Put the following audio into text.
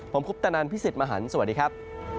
ผมคุปตะนันพี่สิทธิ์มหันฯสวัสดีครับ